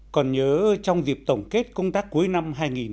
còn nhớ trong dịp tổng kết công tác cuối năm hai nghìn một mươi chín